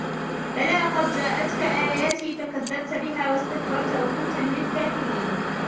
بَلى قَد جاءَتكَ آياتي فَكَذَّبتَ بِها وَاستَكبَرتَ وَكُنتَ مِنَ الكافِرينَ